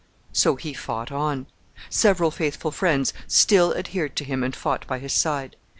So he fought on. Several faithful friends still adhered to him and fought by his side.